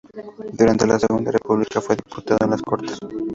Durante la Segunda República fue diputado en las Cortes.